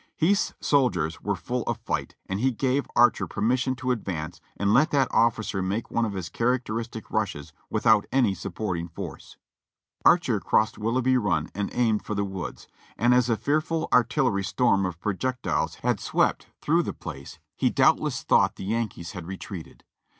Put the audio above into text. Heth's soldiers were full of fight, and he gave Archer permis sion to advance and let that officer make one of his character istic rushes without any supporting force. Archer crossed Willoughby Run and aimed for the woods, and as a fearful artillery storm of projectiles had swept through the GETTYSBURG 389 place he doubtless thought the Yankees had retreated.